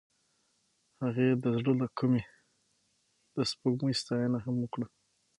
هغې د زړه له کومې د سپوږمۍ ستاینه هم وکړه.